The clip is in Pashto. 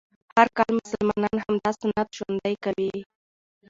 هر کال مسلمانان همدا سنت ژوندی کوي